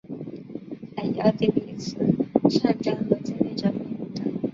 它以奥地利慈善家和建立者命名的。